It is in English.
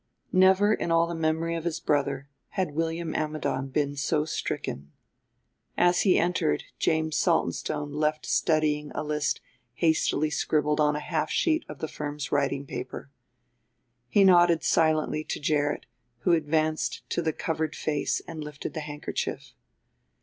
Never in all the memory of his brother had William Ammidon been so stricken. As he entered James Saltonstone left studying a list hastily scribbled on a half sheet of the firm's writing paper. He nodded silently to Gerrit, who advanced to the covered face and lifted the handkerchief.